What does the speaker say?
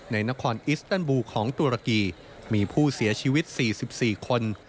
ในนครอิสเติลบูของตุรกีมีผู้เสียชีวิต๔๔คน